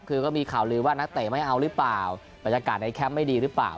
คือก็มีข่าวลือว่านักเตะไม่เอาหรือเปล่าบรรยากาศในแคมป์ไม่ดีหรือเปล่า